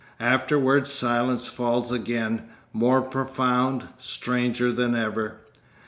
Afterwards silence falls again, more profound, stranger than ever.